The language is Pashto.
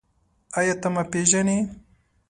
ایا ته ما پېژنې؟